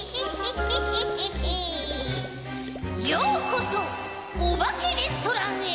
ようこそおばけレストランへ！